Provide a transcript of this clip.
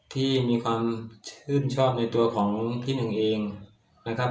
ที่มีความชื่นชอบในตัวของพี่หนึ่งเองนะครับ